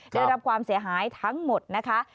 ได้รับความเสียหายทั้งหมดนะคะ